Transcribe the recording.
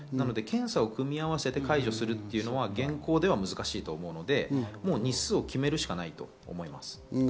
検査を組み合わせて解除するというのは現行では難しいと思うので、日数を決めるしかないと思います。